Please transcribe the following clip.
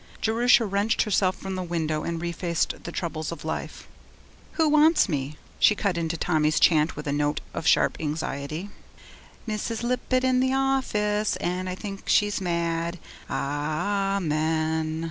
Jerusha wrenched herself from the window and refaced the troubles of life. 'Who wants me?' she cut into Tommy's chant with a note of sharp anxiety. Mrs. Lippett in the office, And I think she's mad. Ah a men!